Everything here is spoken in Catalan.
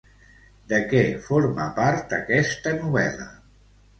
De què forma part aquesta novel·la?